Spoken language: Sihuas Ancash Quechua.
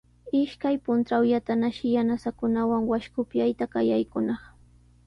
Ishkay puntrawllatanashi yanasankunawan washku upyayta qallaykunaq.